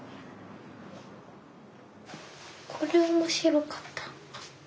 これ面白かった。